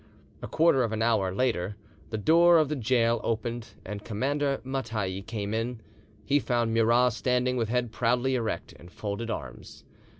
A quarter of an hour later the door of the gaol opened and Commander Mattei came in: he found Murat standing with head proudly erect and folded arms.